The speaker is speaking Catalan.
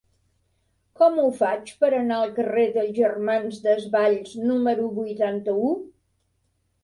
Com ho faig per anar al carrer dels Germans Desvalls número vuitanta-u?